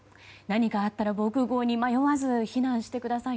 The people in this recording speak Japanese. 何かあったら防空壕に迷わず避難してください。